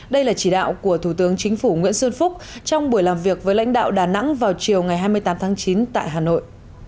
đây là chỉ đạo của thủ tướng chính phủ nguyễn xuân phúc trong buổi làm việc với lãnh đạo đà nẵng vào chiều ngày hai mươi tám tháng chín tại hà nội